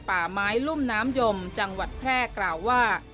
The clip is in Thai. ป่าไม้รุ่มน้ำยมจังหวัดแพร่กล่าวว่า